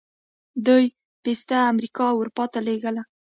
دوی پسته امریکا او اروپا ته لیږي.